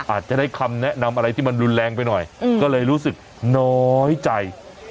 อาจจะได้คำแนะนำอะไรที่มันรุนแรงไปหน่อยก็เลยรู้สึกน้อยใจ